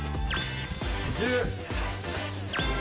１０。